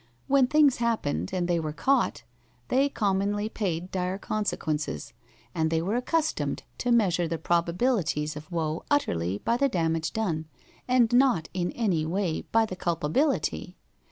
When things happened and they were caught, they commonly paid dire consequences, and they were accustomed to measure the probabilities of woe utterly by the damage done, and not in any way by the culpability.